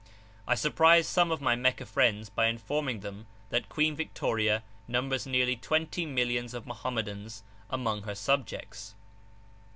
I surprised some of my Meccah friends by informing them that Queen Victoria numbers nearly twenty millions of Mohammedans among her subjects.